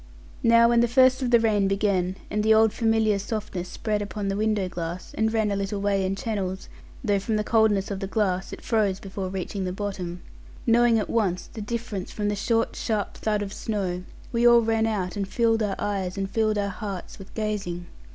Now when the first of the rain began, and the old familiar softness spread upon the window glass, and ran a little way in channels (though from the coldness of the glass it froze before reaching the bottom), knowing at once the difference from the short sharp thud of snow, we all ran out, and filled our eyes and filled our hearts with gazing.